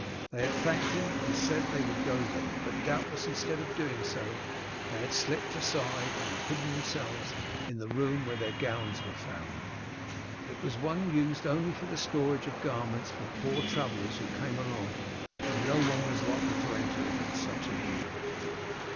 They had thanked him, and said that they would go there, but doubtless instead of doing so they had slipped aside, and had hidden themselves in the room where their gowns were found. It was one used only for the storage of garments for poor travellers who came along, and no one was likely to enter it on such an evening.